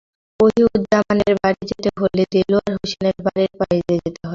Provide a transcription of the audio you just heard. ওহিদুজ্জামানের বাড়ি যেতে হলে দেলোয়ার হোসেনের বাড়ির পাশ দিয়ে যেতে হয়।